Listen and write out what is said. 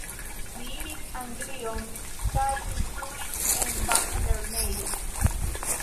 Li iris Anglion kaj instruis en bazlernejo.